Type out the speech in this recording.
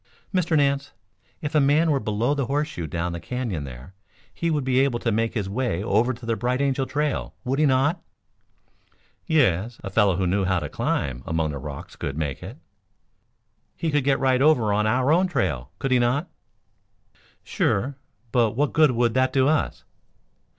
"Mr. Nance, if a man were below the horseshoe down the Canyon there, he would be able to make his way over to the Bright Angel Trail, would he not?" "Yes. A fellow who knew how to climb among the rocks could make it." "He could get right over on our own trail, could he not?" "Sure! But what good would that do us?"